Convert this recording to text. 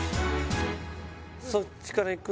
そっちからいく？